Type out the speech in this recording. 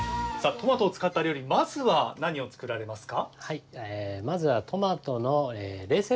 トマトを使った料理まずは何を作られますか？